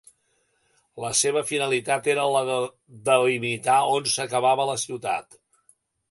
La seva finalitat era la de delimitar on s'acabava la ciutat.